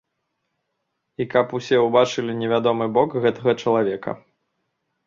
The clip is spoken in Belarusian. І каб усе ўбачылі невядомы бок гэтага чалавека.